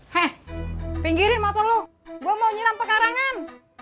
heeh pinggirin motor lu gue mau nyeram pekarangan